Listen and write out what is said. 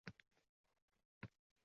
Olim bo‘lish uchun